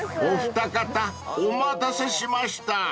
［お二方お待たせしました］